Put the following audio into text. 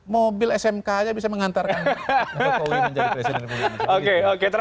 mobil smk aja bisa mengantarkan jokowi menjadi presiden